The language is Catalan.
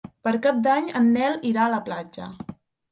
Per Cap d'Any en Nel irà a la platja.